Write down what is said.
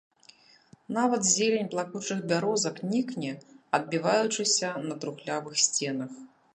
Нават зелень плакучых бярозак нікне, адбіваючыся на трухлявых сценах.